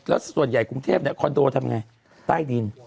แล้วส่วนใหญ่กรุงเทพคอนโดทำไงใต้ดิน